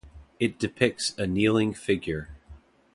It depicts a kneeling figure.